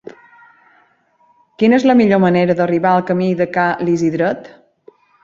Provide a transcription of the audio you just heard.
Quina és la millor manera d'arribar al camí de Ca l'Isidret?